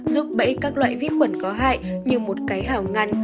giúp bẫy các loại viết quần có hại như một cái hảo ngăn